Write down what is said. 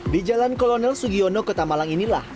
di jalan kolonel sugiono ke tamalang inilah